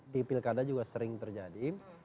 di pilkada juga sering terjadi